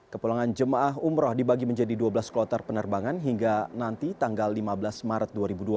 kepulangan jemaah umroh dibagi menjadi dua belas kloter penerbangan hingga nanti tanggal lima belas maret dua ribu dua puluh